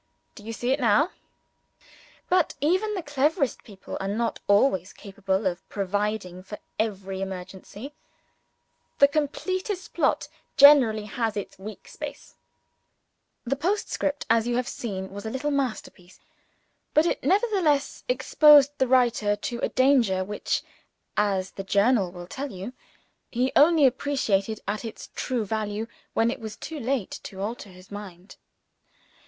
Do you see it now? But even the cleverest people are not always capable of providing for every emergency. The completest plot generally has its weak place. The postscript, as you have seen, was a little masterpiece. But it nevertheless exposed the writer to a danger which (as the Journal will tell you) he only appreciated at its true value when it was too late to alter his mind.